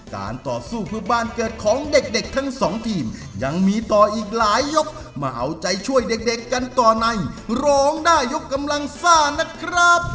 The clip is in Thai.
การต่อสู้เพื่อบ้านเกิดของเด็กทั้งสองทีมยังมีต่ออีกหลายยกมาเอาใจช่วยเด็กกันต่อในร้องได้ยกกำลังซ่านะครับ